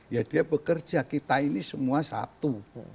ya dia bekerja kita ini semua satu